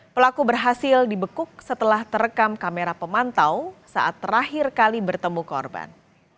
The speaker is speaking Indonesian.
pelaku berhasil dibekuk setelah terekam kamera pemantau saat terakhir kali bertemu korban